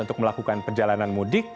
untuk melakukan perjalanan mudik